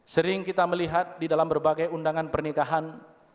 sering kita melihat di dalam berbagai undangan pernikahan